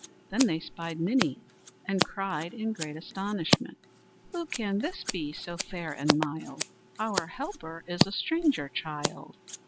Then they spied Minnie, and cried in great astonishment: "Who can this be, so fair and mild? Our helper is a stranger child."